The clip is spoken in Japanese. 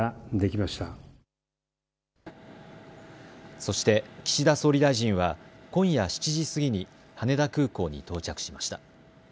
そして岸田総理大臣は今夜７時過ぎに羽田空港に到着しました。